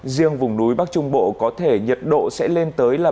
riêng vùng núi bắc trung bộ có thể nhiệt độ sẽ lên tới là ba mươi bảy ba mươi chín độ c